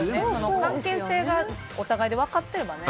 関係性がお互いで分かってればね。